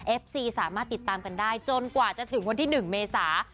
ซีสามารถติดตามกันได้จนกว่าจะถึงวันที่๑เมษา